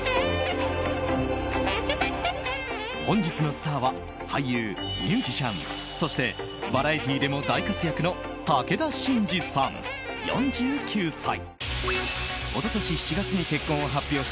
本日のスターは俳優、ミュージシャンそしてバラエティーでも大活躍の武田真治さん、４９歳。